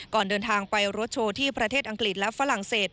ก่อนเดินทางไปรถโชว์ที่ประเทศอังกฤษและฝรั่งเศส